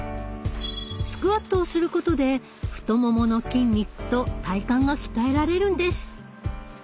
スクワットをすることで太ももの筋肉と体幹が鍛えられるんです。